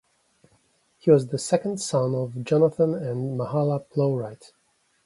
He was the second son of Jonathan and Mahala Plowright.